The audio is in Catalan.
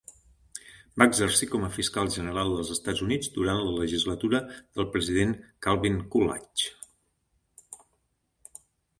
Va exercir com a fiscal general dels Estats Units durant la legislatura del president Calvin Coolidge.